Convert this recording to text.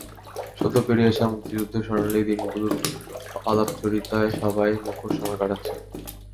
সদ্য পেরিয়ে আসা মুক্তিযুদ্ধের স্বর্ণালি দিনগুলোর আলাপচারিতায় সবাই মুখর সময় কাটাচ্ছে।